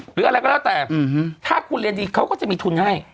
หรืออะไรก็แล้วแต่ถ้าคุณเรียนดีเขาก็จะมีทุนให้